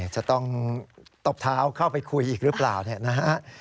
จะต้องตบท้าเอาเข้าไปคุยอีกหรือเปล่านะฮะ